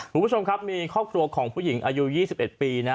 คุณผู้ชมครับมีครอบครัวของผู้หญิงอายุ๒๑ปีนะ